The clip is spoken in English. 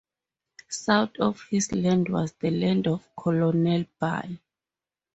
South of his land was the land of Colonel By.